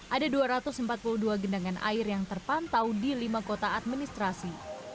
ada dua ratus empat puluh dua genangan air yang terpantau di lima kota administrasi